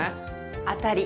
当たり。